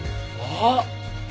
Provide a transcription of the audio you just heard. ああっ！